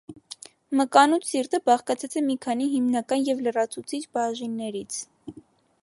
Մկանուտ սիրտը բաղկացած է մի քանի հիմնական և լրացուցիչ բաժիններից։